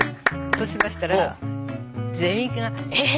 そうしましたら全員が「えっ！？」